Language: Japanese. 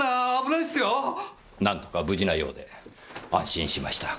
なんとか無事なようで安心しました。